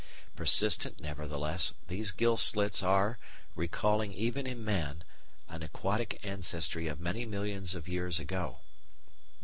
Persistent, nevertheless, these gill slits are, recalling even in man an aquatic ancestry of many millions of years ago.